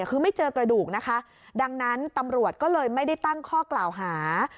คือไม่เจอกระดูกนะคะดังนั้นตำรวจก็เลยไม่ได้ตั้งข้อกล่าวหา